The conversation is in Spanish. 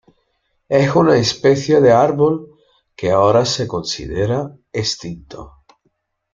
Es una especie de árbol que ahora se considera extinto.